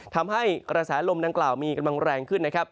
ทำให้กระแสลมดังกล่าวมีกำลังแรงขึ้นนะครับ